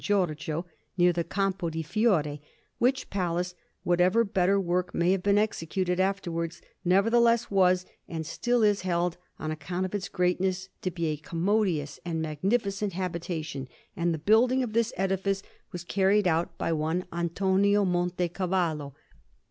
Giorgio, near the Campo di Fiore; which palace, whatever better work may have been executed afterwards, nevertheless was and still is held, on account of its greatness, to be a commodious and magnificent habitation; and the building of this edifice was carried out by one Antonio Montecavallo.